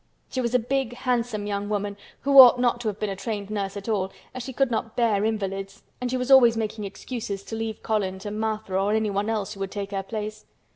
She was a big handsome young woman who ought not to have been a trained nurse at all, as she could not bear invalids and she was always making excuses to leave Colin to Martha or anyone else who would take her place.